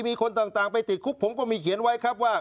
มีคนต่างไปติดคุกผมก็มีเขียนไว้ครับว่า